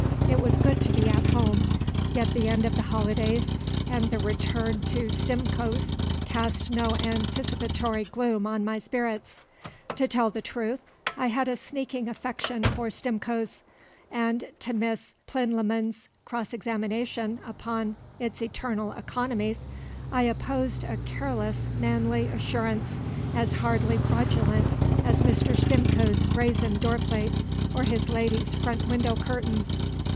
It was good to be at home, yet the end of the holidays and the return to Stimcoe's cast no anticipatory gloom on my spirits. To tell the truth, I had a sneaking affection for Stimcoe's; and to Miss Plinlimmon's cross examination upon its internal economies I opposed a careless manly assurance as hardly fraudulent as Mr. Stimcoe's brazen doorplate or his lady's front window curtains.